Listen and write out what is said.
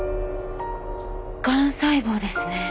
がん細胞ですね。